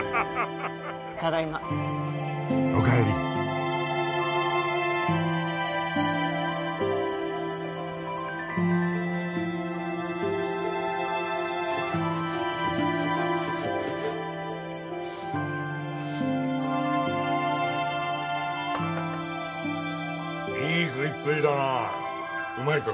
ただいまお帰りいい食いっぷりだなうまいか？